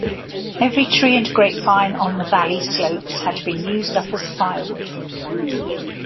Every tree and grapevine on the valley slopes had been used up as firewood.